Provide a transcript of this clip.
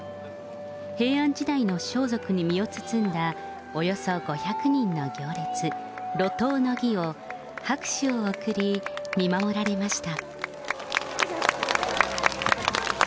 平安時代の装束に身を包んだおよそ５００人の行列、路頭の儀を、拍手を送り見守られました。